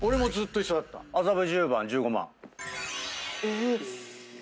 麻布十番１５万。